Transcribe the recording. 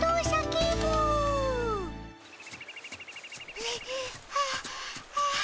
はあはあはあ。